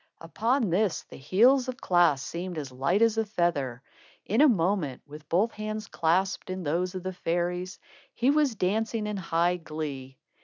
Upon this, the heels of Klaas seemed as light as a feather. In a moment, with both hands clasped in those of the fairies, he was dancing in high glee.